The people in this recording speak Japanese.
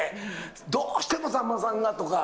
どうしてもさんまさんがとか。